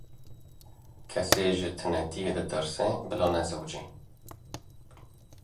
Kesê ji tenêtiyê ditirse, bila nezewice.